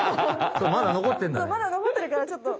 そうまだのこってるからちょっと。